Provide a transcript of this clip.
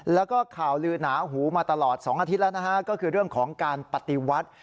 แล้วก็ข่าวลือหนาหูมาตลอด๒อาทิตย์แล้วนะฮะก็คือเรื่องของการปฏิวัติ